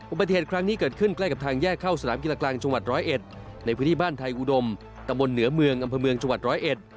อุปัติเหตุครั้งนี้เกิดขึ้นใกล้กับทางแยกเข้าสถานกินกลางจังหวัด๑๐๑ในพื้นที่บ้านไทยอุดมตมนต์เหนือเมืองอำภาเมืองจังหวัด๑๐๑